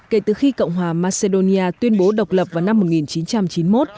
kể từ khi cộng hòa macedonia tuyên bố độc lập vào năm một nghìn chín trăm chín mươi một